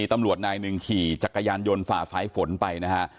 ตำรวจนายหนึ่งขี่จักรยานยนต์ฝ่าสายฝนไปนะฮะ